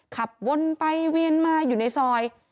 ขับวนไปเวียนมาอยู่ในซอย